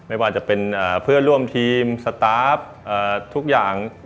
ไม่ว่าจะเป็นเพื่อนร่วมทีมสตาร์ฟทุกอย่าง